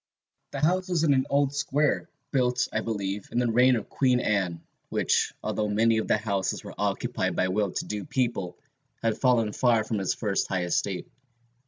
"The house was in an old square, built, I believe, in the reign of Queen Anne, which, although many of the houses were occupied by well to do people, had fallen far from its first high estate.